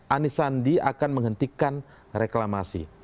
anies sandi akan menghentikan reklamasi